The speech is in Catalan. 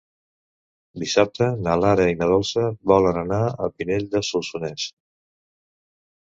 Dissabte na Lara i na Dolça volen anar a Pinell de Solsonès.